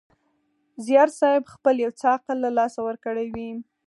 زیارصېب خپل یو څه عقل له لاسه ورکړی وي.